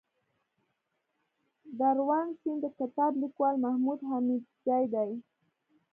دروڼ سيند دکتاب ليکوال محمودحميدزى دئ